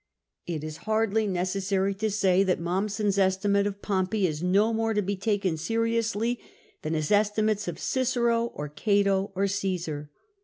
It is hardly necessary to say that Mommsen's estimate of Pompey is no more to be taken seriously than his estimates of Cicero, or Cato, or Csesar.